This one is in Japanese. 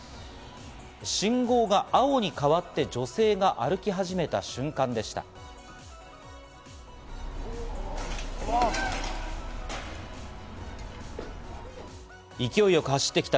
信号が青に変わって女性が歩き始めた瞬間でした。